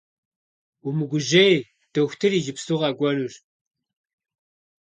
Умыгужьэй, дохутыр иджыпсту къэкӏуэнущ.